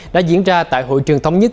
đã diễn ra tại hội trường thống nhất